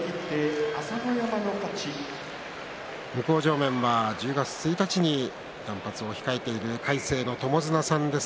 向正面には１０月１日に断髪を控えている魁聖の友綱さんです。